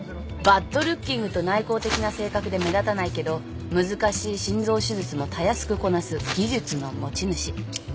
バッドルッキングと内向的な性格で目立たないけど難しい心臓手術もたやすくこなす技術の持ち主。